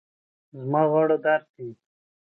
زما غاړه درد کوي